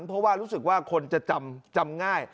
เพราะว่ารู้สึกว่าคนจะจำง่าย